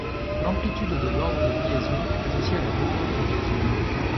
L'amplitude de l'ordre de liaison est associé à la longueur de liaison.